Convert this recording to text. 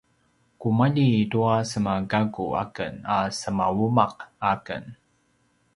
kumalji tua semagakku aken a semauma’ aken